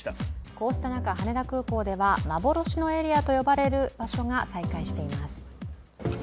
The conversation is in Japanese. こうした中、羽田空港では幻のエリアと呼ばれる場所が再開しています。